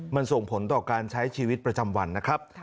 มันส่งผลต่อการใช้ชีวิตประจำวันนะครับ